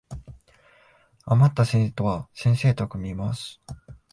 あまった生徒は先生と組みます